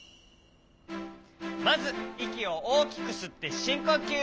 まずいきをおおきくすってしんこうきゅう。